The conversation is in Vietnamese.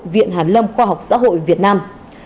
viện hàn lâm khoa học xã hội việt nam